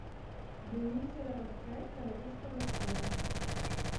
Il est mis à la retraite à la Restauration.